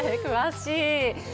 詳しい。